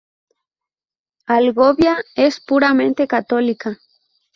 Algovia es puramente católica.